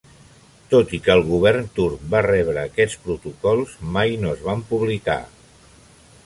Tot i que el govern turc va rebre aquests protocols, mai no es van publicar.